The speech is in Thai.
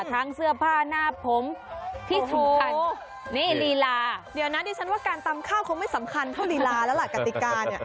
ทั้งเสื้อผ้าหน้าผมที่สำคัญนี่ลีลาเดี๋ยวนะดิฉันว่าการตำข้าวคงไม่สำคัญเท่าลีลาแล้วล่ะกติกาเนี่ย